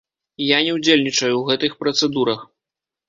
Я не ўдзельнічаю ў гэтых працэдурах.